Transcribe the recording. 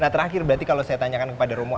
nah terakhir berarti kalau saya tanyakan kepada romo